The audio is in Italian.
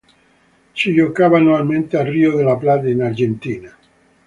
Si giocava annualmente a Río de la Plata in Argentina.